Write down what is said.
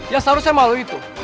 yang seharusnya malu itu